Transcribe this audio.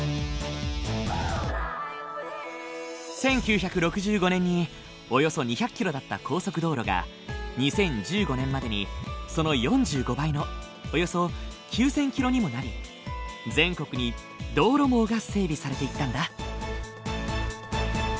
１９６５年におよそ２００キロだった高速道路が２０１５年までにその４５倍のおよそ９，０００キロにもなり全国に道路網が整備されていったんだ。